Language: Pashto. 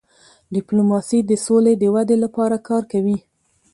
ډيپلوماسي د سولې د ودی لپاره کار کوي.